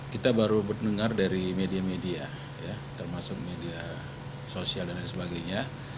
kita baru mendengar dari media media termasuk media sosial dan lain sebagainya